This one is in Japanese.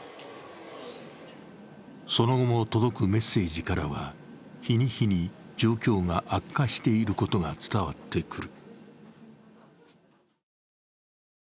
その後も届くメッセージからは、日に日に状況が悪化していることが伝わってくる。